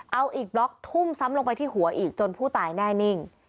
เอาอีกบล็อกทุ่มซ้ำลงไปที่หัวอีกจนผู้ตายแน่นิ่ง